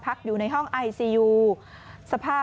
สภาพคืออาการหวาดภาวะสะดุ้งตื่นแล้วก็โวยวายด้วยความกลัว